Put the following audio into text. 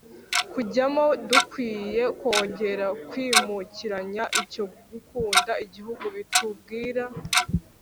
kujyamo dukwiye kongera kwibukiranya icyo gukunda Igihugu bitubwira